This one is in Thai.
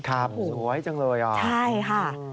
ครับสวยจังเลยอ่ะอืมใช่ค่ะ